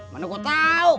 manu kok tau